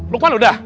lu kan udah